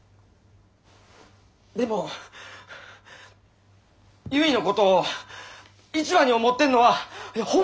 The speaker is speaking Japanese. でも結のことを一番に思ってんのはホンマやから！